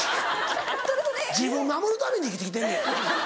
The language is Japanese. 自分を守るために生きて来てんねん。